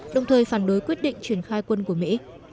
đồng thời phản đối quyết định triển khai quân của mỹ